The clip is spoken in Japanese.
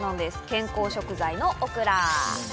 健康食材のオクラ。